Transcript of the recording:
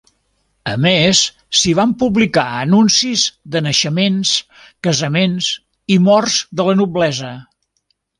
A més s'hi van publicar anuncis de naixements, casaments i morts de la noblesa.